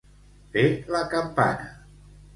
Fer la campana.